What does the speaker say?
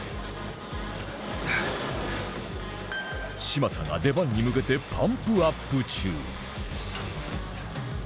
嶋佐が出番に向けてパンプアップ中